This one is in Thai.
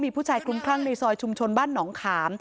มีผู้ชายคลุ้มคลั่งในซอยชุมชนบ้านหนองขาม